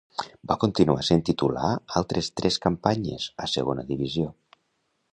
Va continuar sent titular altres tres campanyes, a Segona Divisió.